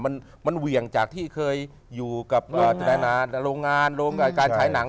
มันเหวี่ยงจากที่เคยอยู่กับโรงงานโรงการฉายหนัง